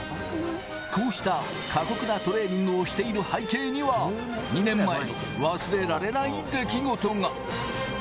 こうした過酷なトレーニングをしている背景には２年前の忘れられない出来事が。